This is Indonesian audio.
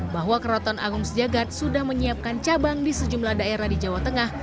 bahwa keraton agung sejagat sudah menyiapkan cabang di sejumlah daerah di jawa tengah